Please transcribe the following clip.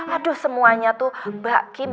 aduh semuanya tuh mbak kim